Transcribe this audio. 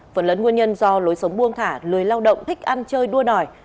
phần lớn nguyên nhân do lối sống buông thả lười lao động thích ăn chơi đua đòi